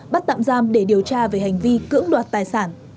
bắt tạm giam để điều tra về hành vi cưỡng đoạt tài sản